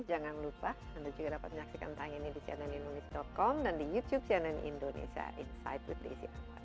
jangan lupa anda juga dapat menyaksikan tayang ini di cnnindonesia com dan di youtube cnn indonesia insight with desi anwar